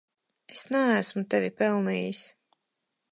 Es neesmu tevi pelnījis.